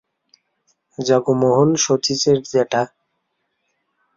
জগমোহন শচীশের জ্যাঠা।